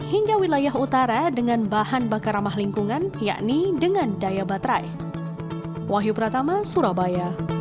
hingga wilayah utara dengan bahan bakar ramah lingkungan yakni dengan daya baterai